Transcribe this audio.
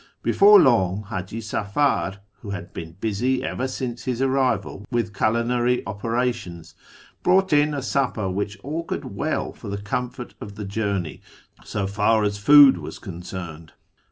Before long Haji Safar, who had been busy ever since his arrival with culinary operations, brought in a supper which augured well for the comfort of the journey, so far as food was concerned.